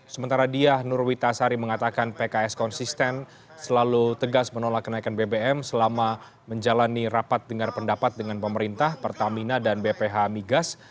sementara dia nur witasari mengatakan pks konsisten selalu tegas menolak kenaikan bpm selama menjalani rapat dengan pendapat dengan pemerintah pertamina dan bph migas